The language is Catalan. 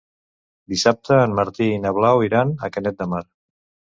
Dissabte en Martí i na Blau iran a Canet de Mar.